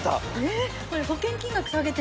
えっ⁉